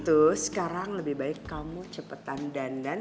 betul sekarang lebih baik kamu cepetan dandan